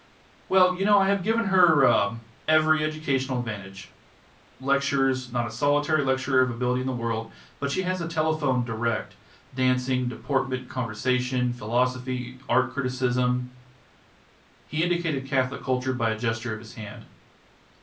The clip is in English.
Well, you know I have given her ah every educational advantage. Lectures not a solitary lecturer of ability in the world but she has had a telephone direct, dancing, deportment, conversation, philosophy, art criticism ..." He indicated catholic culture by a gesture of his hand.